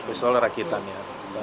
pestol rakitan ya